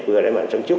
vừa đẩy mạnh sản xuất